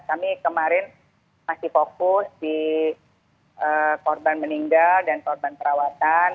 kami kemarin masih fokus di korban meninggal dan korban perawatan